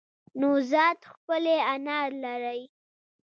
نوزاد ښکلی انار لری